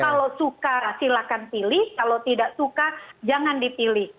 kalau suka silakan pilih kalau tidak suka jangan dipilih